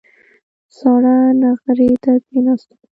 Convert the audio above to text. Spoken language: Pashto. ساړه نغري ته کېناستل.